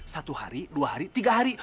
satu hari dua hari tiga hari